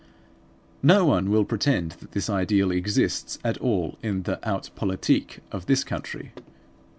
No one will pretend that this ideal exists at all in the haute politique of this country.